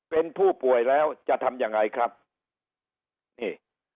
เป็นผู้ป่วยแล้วจะทำยังไงครับนี่